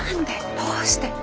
どうして？